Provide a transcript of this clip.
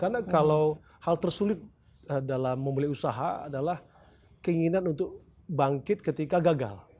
karena kalau hal tersulit dalam memulai usaha adalah keinginan untuk bangkit ketika gagal